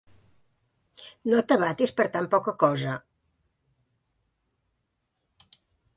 No t'abatis per tan poca cosa.